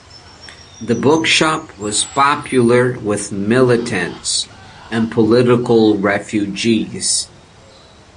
The book shop was popular with militants and political refugees.